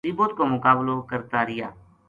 مصیبت کو مقابلو کرتا رہیا